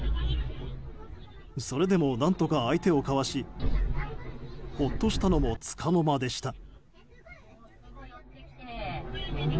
それでも、何とか相手をかわしほっとしたのもつかの間でした。